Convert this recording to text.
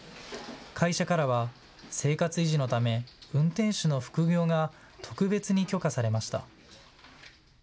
会社からは生活維持のため運転手の副業が特別に許可されました。